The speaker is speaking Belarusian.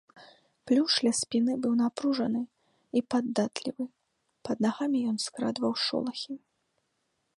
Плюш ля спіны быў напружаны і падатлівы, пад нагамі ён скрадваў шолахі.